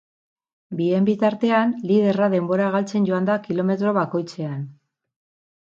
Bien bitartean, liderra denbora galtzen joan da kilometro bakoitzean.